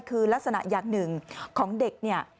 คือลักษณะอย่างหนึ่งของเด็กเนี่ย